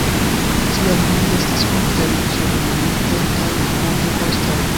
Tiam ili estis ofte riĉe ornamitaj kaj multekostaj.